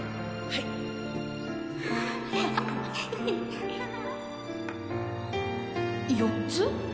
はい４つ？